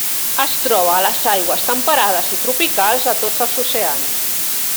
Es troba a les aigües temperades i tropicals de tots els oceans.